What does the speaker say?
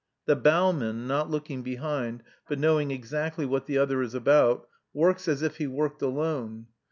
The bowman, not looking behind, but knowing exactly what the other is about, works as if he worked alone.